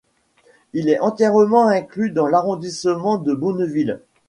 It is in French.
Il est entièrement inclus dans l'arrondissement de Bonneville.